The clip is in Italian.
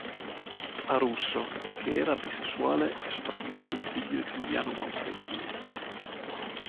A Russo, che era bisessuale, è sopravvissuto il figlio Giuliano Manfredini.